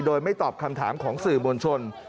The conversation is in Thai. โดยไม่ตอบคำถามของสื่อมวลชน